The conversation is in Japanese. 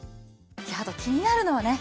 あと気になるのはね